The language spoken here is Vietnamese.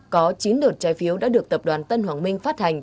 có chín đợt trái phiếu đã được tập đoàn tân hoàng minh phát hành